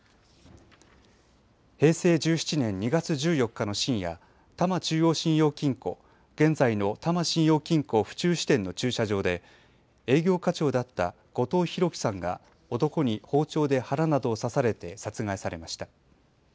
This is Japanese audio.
平成１７年２月１４日の深夜多摩中央信用金庫現在の多摩信用金庫府中支店の駐車場で営業課長だった後藤博樹さんが男に包丁で腹などを刺されて殺害されました。